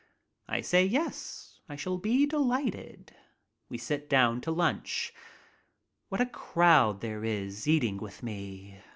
I say yes, I shall be delighted. We sit down to lunch. What a crowd there is eating with me!